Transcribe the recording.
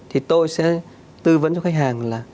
thì tôi sẽ tư vấn cho khách hàng là